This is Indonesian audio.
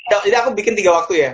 jadi aku bikin tiga waktu ya